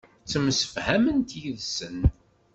Ttemsefhament yid-sen.